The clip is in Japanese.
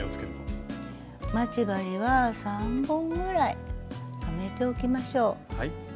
待ち針は３本ぐらい留めておきましょう。